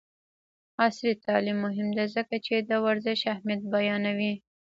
عصري تعلیم مهم دی ځکه چې د ورزش اهمیت بیانوي.